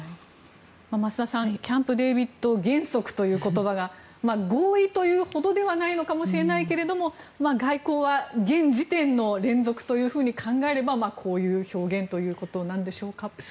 増田さんキャンプデービッド原則という言葉が合意というほどではないかもしれないけど外交は現時点の連続と考えればこういう表現ということなんでしょうか。